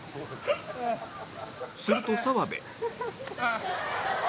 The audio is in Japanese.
すると澤部